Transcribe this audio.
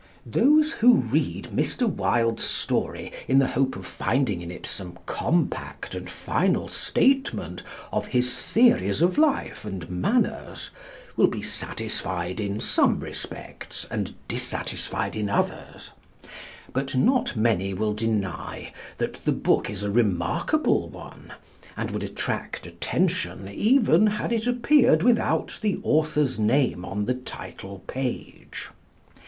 Those who read Mr. Wilde's story in the hope of finding in it some compact and final statement of his theories of life and manners will be satisfied in some respects, and dissatisfied in others; but not many will deny that the book is a remarkable one and would attract attention even had it appeared without the author's name on the title page.